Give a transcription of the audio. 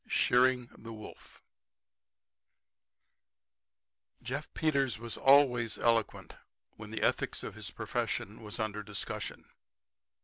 SHEARING THE WOLF Jeff Peters was always eloquent when the ethics of his profession was under discussion.